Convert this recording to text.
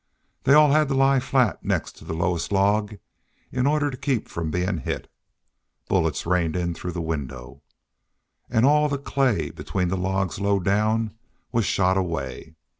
They all had to lie flat next to the lowest log in order to keep from being hit. Bullets rained in through the window. And all the clay between the logs low down was shot away.